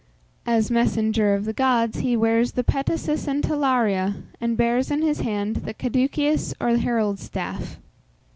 As messenger of the gods he wears the Petasus and Talaria, and bears in his hand the Caduceus or herald's staff.